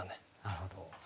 なるほど。